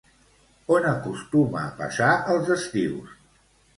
On acostuma a passar els estius?